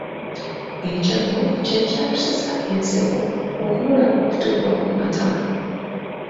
Ekyo nno kye kyatusesa enseko okubula okutuggwa ku matama.